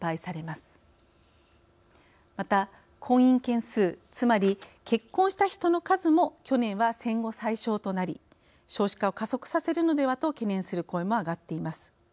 また婚姻件数つまり結婚した人の数も去年は戦後最少となり少子化を加速させるのではと懸念する声も上がっています。